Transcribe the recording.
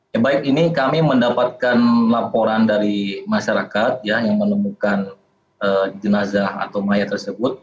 ya baik ini kami mendapatkan laporan dari masyarakat yang menemukan jenazah atau mayat tersebut